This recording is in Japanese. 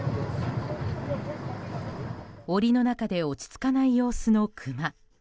檻の中で落ち着かない様子のクマ。